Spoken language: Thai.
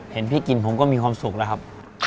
เห็นพี่กินผมก็มีความสุขแล้วครับ